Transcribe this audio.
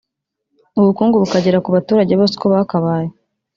ubukungu bukagera ku baturage bose uko bakabaye